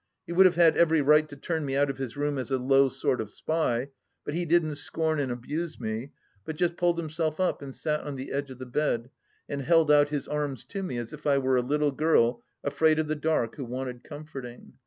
He would have had every right to turn me out of his room as a low sort of spy, but he didn't scorn and abuse me, but just pulled himself up and sat on the edge of the bed, and held out his arms to me as if I were a little girl afraid of the dark who wanted comforting.